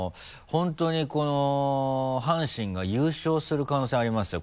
本当に阪神が優勝する可能性ありますよ